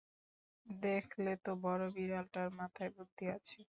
দেখলে তো, বড় বিড়ালটার মাথায় বুদ্ধি আছে।